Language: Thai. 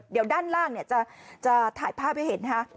เดี๋ยวด้านล่างจะถ่ายภาพให้เห็นนะคะ